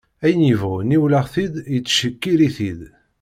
Ayen yebɣu niwleɣ-t-id yettcekkir-it-id.